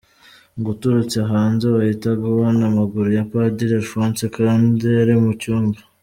Ngo uturutse hanze wahitaga ubona amaguru ya Padiri Alphonse kandi ari mu cyumba.